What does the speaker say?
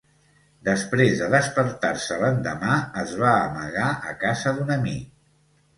Després de despertar-se l'endemà, es va amagar a casa d'un amic.